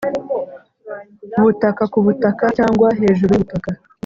butaka ku butaka cyangwa hejuru y ubutaka